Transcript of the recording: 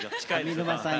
上沼さん